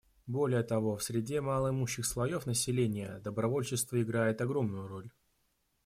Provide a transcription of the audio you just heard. Более того, в среде малоимущих слоев населения добровольчество играет огромную роль.